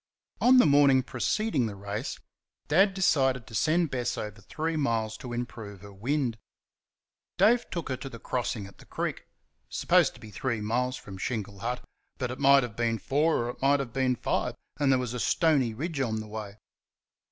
On the morning preceding the race Dad decided to send Bess over three miles to improve her wind. Dave took her to the crossing at the creek supposed to be three miles from Shingle Hut, but it might have been four or it might have been five, and there was a stony ridge on the way.